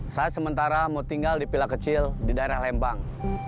saya sementara mau tinggal di pila kecil di daerah lembang